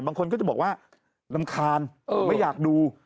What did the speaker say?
บางคนก็จะบอกว่ารำคาญไม่อยากดู